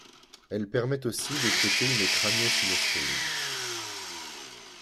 Elle permet aussi de traiter une craniosynostose.